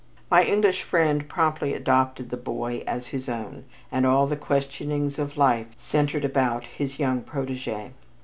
My English friend promptly adopted the child as his own and all the questionings of life centered about his young protégé.